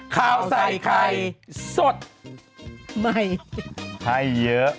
ข้าวใส่ไข่สดใหม่ให้เยอะ